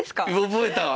覚えたわ。